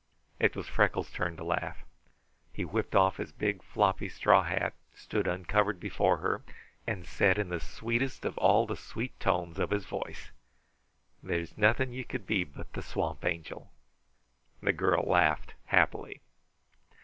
It was Freckles' turn to laugh. He whipped off his big, floppy straw hat, stood uncovered before her, and said, in the sweetest of all the sweet tones of his voice: "There's nothing you could be but the Swamp Angel." The girl laughed happily.